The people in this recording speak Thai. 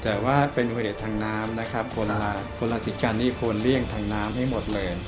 แต่ว่าเป็นเวทย์ทางน้ำนะครับคนอาศิการนี้ควรเลี่ยงทางน้ำให้หมดเลย